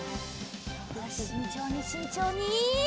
よししんちょうにしんちょうに。